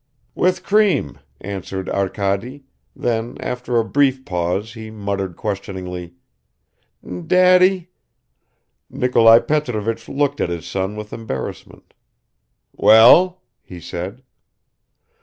"With cream," answered Arkady, then after a brief pause he muttered questioningly, "Daddy?" Nikolai Petrovich looked at his son with embarrassment. "Well?" he said.